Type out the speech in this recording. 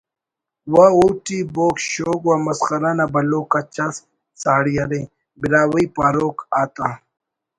و اوٹی بوگ شوگ و مسخرہ نا بھلو کچ اس ساڑی ارے براہوئی پاروک آتا